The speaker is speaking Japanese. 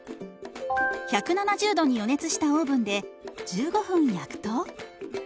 １７０度に予熱したオーブンで１５分焼くと。